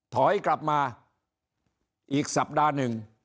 ถอยกลับมาอีกสัปดาห์๑